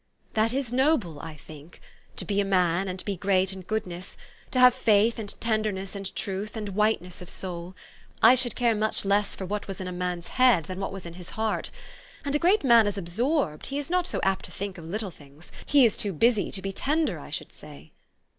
That is noble, I think, to be a man, and be great in goodness ; to have faith and tenderness and truth, and whiteness of soul. I should care much less for what was in a man's head than what was in his heart. And a great man is absorbed : he is not so apt to think of little things ; he is too busy to be tender, I should say."